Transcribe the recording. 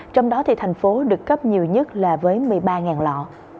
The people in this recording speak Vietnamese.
trong đó thì thành phố được cấp nhiều nhất là với một mươi ba lọ